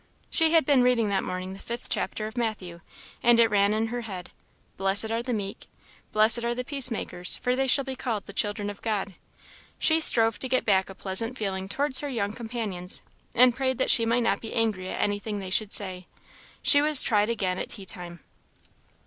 She had been reading that morning the fifth chapter of Matthew, and it ran in her head, "Blessed are the meek" "Blessed are the peace makers; for they shall be called the children of God." She strove to get back a pleasant feeling towards her young companions, and prayed that she might not be angry at anything they should say. She was tried again at tea time.